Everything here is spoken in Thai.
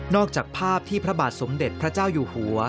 จากภาพที่พระบาทสมเด็จพระเจ้าอยู่หัว